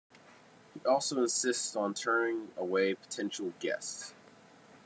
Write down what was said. He also insists on turning away potential guests.